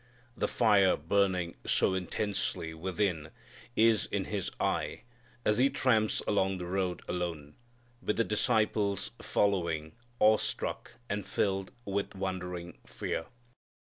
The fire burning so intensely within is in His eye as He tramps along the road alone, with the disciples following, awestruck and filled with wondering fear.